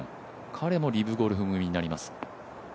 彼もリブゴルフ組になります。